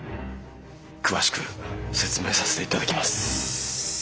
詳しく説明させていただきます。